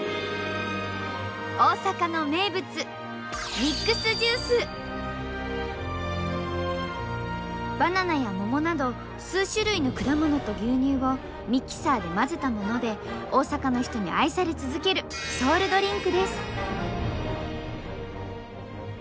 大阪の名物バナナや桃など数種類の果物と牛乳をミキサーで混ぜたもので大阪の人に愛され続けるソウルドリンクです。